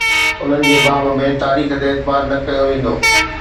انهن جي باب ۾ تاريخ تي اعتبار نه ڪيو ويندو.